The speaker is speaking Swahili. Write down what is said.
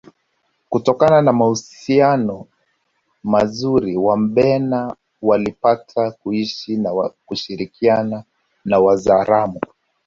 Kutokana na mahusiano mazuri Wabena walipata kuishi na kushirikiana na Wazaramo